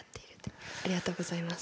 ありがとうございます。